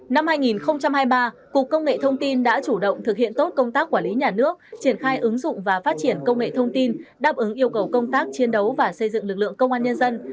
năm hai nghìn hai mươi ba cục công nghệ thông tin đã chủ động thực hiện tốt công tác quản lý nhà nước triển khai ứng dụng và phát triển công nghệ thông tin đáp ứng yêu cầu công tác chiến đấu và xây dựng lực lượng công an nhân dân